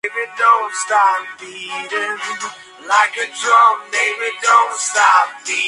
Durante los últimos años condujo programas en radio y televisión por cable.